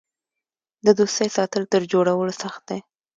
د دوستۍ ساتل تر جوړولو سخت دي.